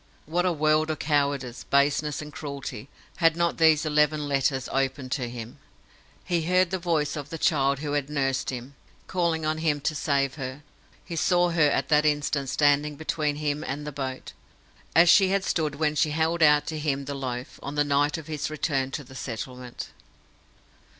What a world of cowardice, baseness, and cruelty, had not those eleven letters opened to him! He heard the voice of the child who had nursed him, calling on him to save her. He saw her at that instant standing between him and the boat, as she had stood when she held out to him the loaf, on the night of his return to the settlement.